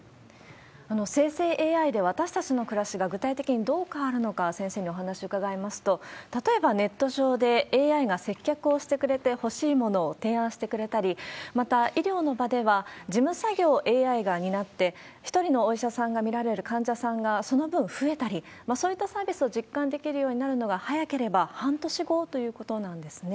生成ＡＩで私たちの暮らしが具体的にどう変わるのか、先生にお話を伺いますと、例えばネット上でＡＩが接客をしてくれて、欲しいものを提案してくれたり、また医療の場では、事務作業をＡＩが担って、１人のお医者さんが診られる患者さんがその分増えたり、そういったサービスを実感できるようになるのが、早ければ、半年後ということなんですね。